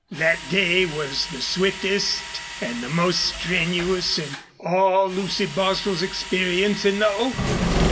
That day was the swiftest and the most strenuous in all Lucy Bostil's experience in the open.